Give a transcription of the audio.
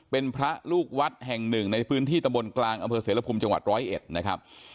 เป็นพระลูกวัดแห่งหนึ่งในพื้นที่ตำบลกลางอำเภอเสรภูมิจังหวัดร้อยเอ็ดนะครับ